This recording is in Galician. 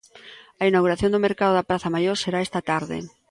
A inauguración do mercado da praza Maior será esta tarde.